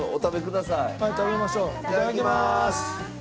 いただきます。